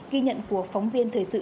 ghi nhận của phóng viên thời sự